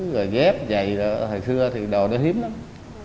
rồi ghép giày đó thời xưa thì đồ đó hiếm lắm